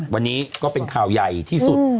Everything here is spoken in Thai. วันนี้ก็เป็นข่าวใหญ่ที่สุด